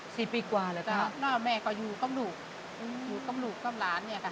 สี่ปีกว่าแล้วจ้ะหน้าแม่ก็อยู่กับลูกอืมอยู่กับลูกกับหลานเนี่ยค่ะ